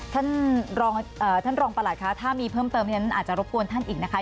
ท่านรองประหลัดคะถ้ามีเพิ่มเติมอาจจะรบกวนท่านอีกนะคะ